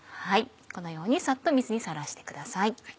このようにサッと水にさらしてください。